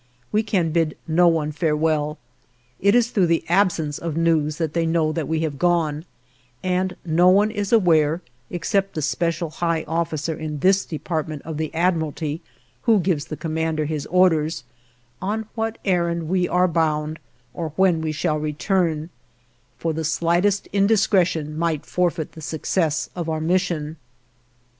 We can bid no one farewell. It is through the absence of news that they know that we have gone, and no one is aware, except the special high officer in this department of the Admiralty who gives the commander his orders, on what errand we are bound or when we shall return, for the slightest indiscretion might forfeit the success of our mission.